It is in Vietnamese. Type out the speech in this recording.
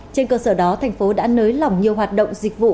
trên cơ sở đó tp đà nẵng đã nới lỏng nhiều hoạt động dịch vụ